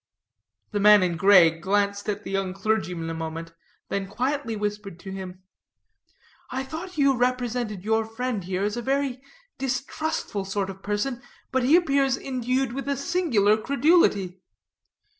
The man in gray glanced at the young clergyman a moment, then quietly whispered to him, "I thought you represented your friend here as a very distrustful sort of person, but he appears endued with a singular credulity.